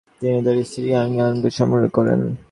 তিনি তার স্ত্রী ইয়াং ইয়ানকে সম্রাজ্ঞী করেন।